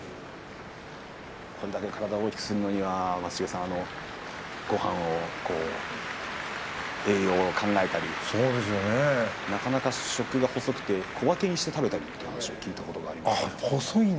これだけ体を大きくするにはごはんを栄養を考えたりなかなか食が細くて小分けにして食べたりという話を聞いたことがあります。